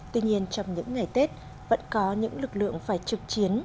tuy nhiên trong những ngày tết vẫn có những lực lượng phải trực chiến